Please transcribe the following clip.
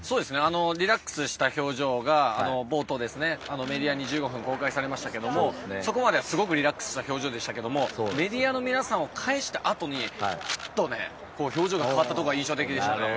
リラックスした表情が冒頭、メディアに１５分公開されましたがそこまではすごくリラックスした表情でしたがメディアの皆さんを帰したあとにキリッと表情が変わったところが印象的でしたね。